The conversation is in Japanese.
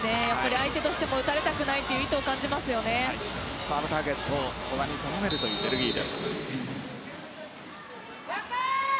相手としても打たれたくないというサーブターゲットを古賀に定めるというベルギー。